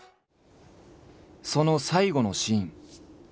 その最期のシーン。